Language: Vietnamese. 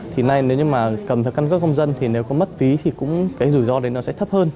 thì nay nếu như mà cầm theo căn cước công dân thì nếu có mất phí thì cũng cái rủi ro đấy nó sẽ thấp hơn